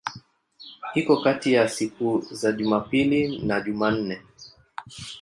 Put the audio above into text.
Iko kati ya siku za Jumapili na Jumanne.